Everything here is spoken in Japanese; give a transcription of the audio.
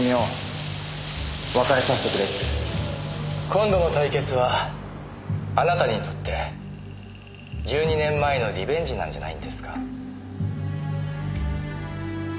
今度の対決はあなたにとって１２年前のリベンジなんじゃないんですか？